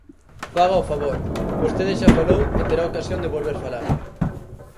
Faga o favor, vostede xa falou e terá ocasión de volver falar.